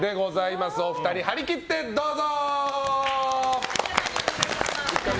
お二人、張り切ってどうぞ！